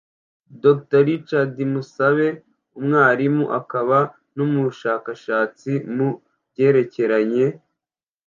Dr Richard Musabe umwarimu akaba n’umushakashatsi mu byerekeranye n’ikoranabuhanga muri Kaminuza y’u Rwanda